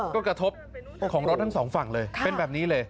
ก็กระทบของรถทั้งสองฝั่งเลยเป็นแบบนี้เลย